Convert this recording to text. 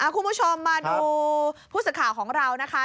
คุณผู้ชมมาดูผู้สื่อข่าวของเรานะคะ